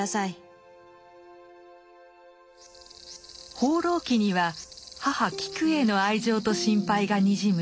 「放浪記」には母・キクへの愛情と心配がにじむ